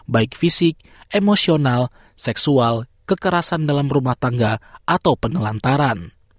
baik fisik emosional seksual kekerasan dalam rumah tangga atau penelantaran